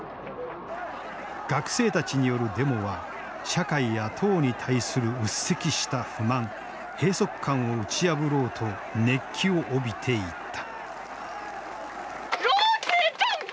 学生たちによるデモは社会や党に対する鬱積した不満閉塞感を打ち破ろうと熱気を帯びていった。